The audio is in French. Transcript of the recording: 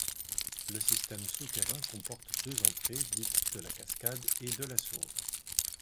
Le système souterrain comporte deux entrées, dites de la Cascade et de la Sourde.